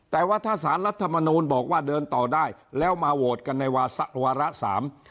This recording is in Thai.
แต่ว่าถ้าสารรัฐมนูลบอกว่าเดินต่อได้แล้วมาโหวตกันในวาระวาระสาม